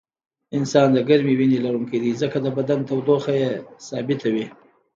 انسان د ګرمې وینې لرونکی دی ځکه د بدن تودوخه یې ثابته وي